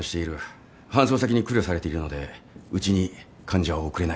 搬送先に苦慮されているのでうちに患者を送れないかと。